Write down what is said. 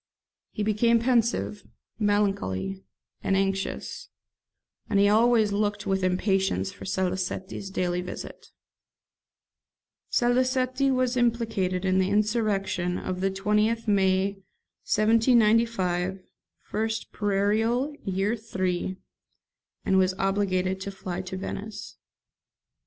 He became pensive, melancholy, and anxious; and he always looked with impatience for Salicetti's daily visit. [Salicetti was implicated in the insurrection of the 20th May 1795, 1st Prairial, Year III., and was obliged to fly to Venice.